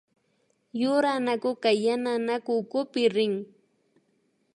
Yura anakuka yana anaku ukupi rin